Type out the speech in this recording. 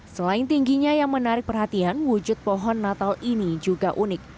selain tingginya yang menarik perhatian wujud pohon natal ini juga unik